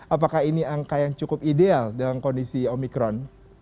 apakah ini angka yang cukup ideal dalam kondisi omikron